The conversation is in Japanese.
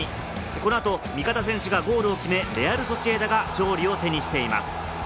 このあと味方選手がゴールを決め、レアル・ソシエダが勝利を手にしています。